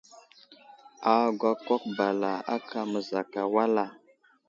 Agakwákw bala aka məzakay wal a ?